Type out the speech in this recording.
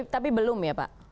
tapi belum ya pak